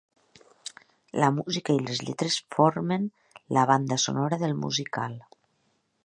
La música i les lletres formen la banda sonora del musical.